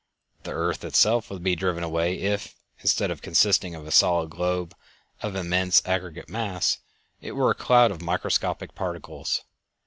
The earth itself would be driven away if, instead of consisting of a solid globe of immense aggregate mass, it were a cloud of microscopic particles.